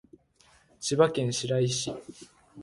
千葉県白井市